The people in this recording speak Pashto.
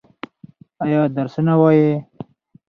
ایا درسونه وايي؟